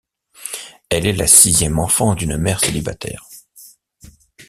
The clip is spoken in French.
Elle est la sixième enfant d'une mère célibataire.